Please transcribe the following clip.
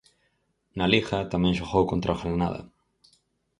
Na Liga tamén xogou contra o Granada.